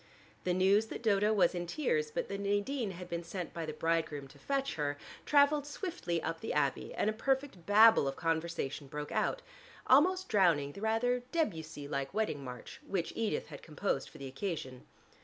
The news that Dodo was in tears, but that Nadine had been sent by the bridegroom to fetch her, traveled swiftly up the Abbey, and a perfect babel of conversation broke out, almost drowning the rather Debussy like wedding march which Edith had composed for the occasion.